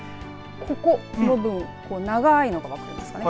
ここの部分長いのが分かりますかね。